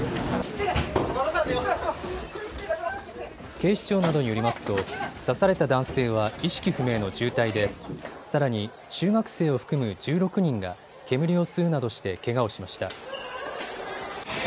警視庁などによりますと刺された男性は意識不明の重体でさらに中学生を含む１６人が煙を吸うなどしてけがをしました。